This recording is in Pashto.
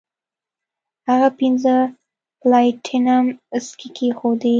هغه پنځه د پلاټینم سکې کیښودې.